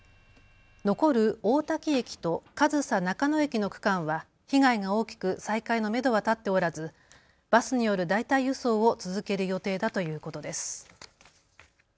残る大多喜駅と上総中野駅の区間は被害が大きく再開のめどは立っておらずバスによる代替輸送を続ける予定だということです。